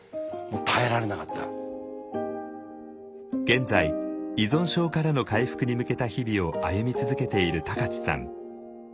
現在依存症からの回復に向けた日々を歩み続けている高知さん。